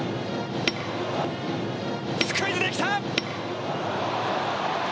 スクイズで来た！